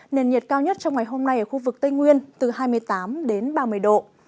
nền nhiệt cao nhất trong ngày hôm nay ở khu vực tây nguyên từ hai mươi tám đến ba mươi độ